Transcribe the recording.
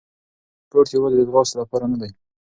سپورت یوازې د ځغاستې لپاره نه دی.